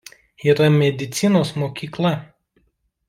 Yra medicinos mokykla.